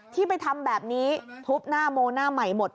ที่ไปทำแบบนี้ทุบหน้าโมหน้าใหม่หมด